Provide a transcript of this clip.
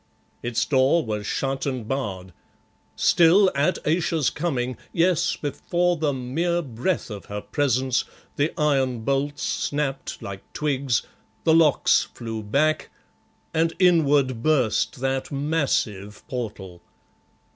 Its door was shut and barred; still, at Ayesha's coming, yes, before the mere breath of her presence, the iron bolts snapped like twigs, the locks flew back, and inward burst that massive portal.